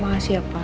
makasih ya pak